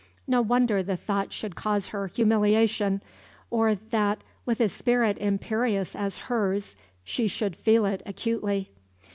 No wonder the thought should cause her humiliation, or that, with a spirit imperious as her's, she should feel it acutely.